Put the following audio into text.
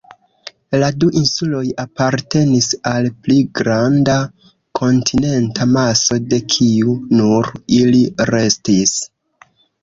La du insuloj apartenis al pli granda kontinenta maso, de kiu nur ili restis.